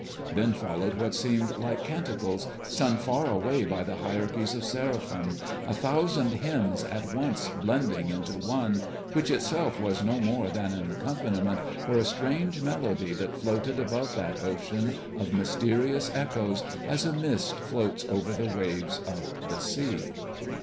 Then followed what seemed like canticles sung far away by the hierarchies of seraphim, a thousand hymns at once blending into one, which itself was no more than an accompaniment for a strange melody that floated upon that ocean of mysterious echoes as a mist floats over the waves of the sea.